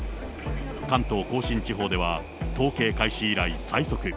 関東甲信地方では統計開始以来最速。